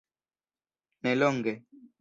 nelonge